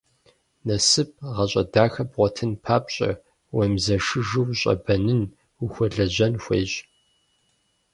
Насып, гъащӏэ дахэ бгъуэтын папщӏэ, уемызэшыжу ущӏэбэнын, ухуэлэжьэн хуейщ.